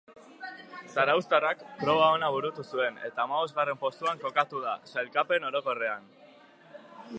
Zarauztarrak proba ona burutu zuen eta hamabosgarren postuan kokatu da sailkapen orokorrean.